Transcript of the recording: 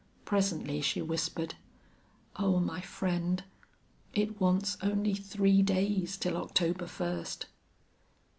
Presently she whispered: "Oh, my friend! It wants only three days till October first!"